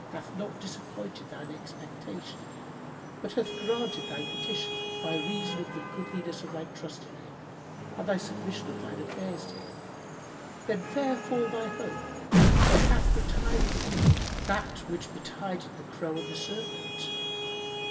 hath not disappointed thine expectation, but hath granted thy petition, by reason of the goodliness of thy trust in Him and thy submission of thine affairs to Him. Then fair fall thy hope! There hath betided thee that which betided the Crow and the Serpent."